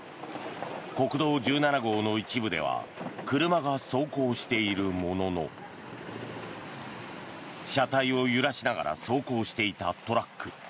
国道１７号の一部では車が走行しているものの車体を揺らしながら走行していたトラック。